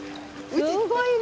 すごいね。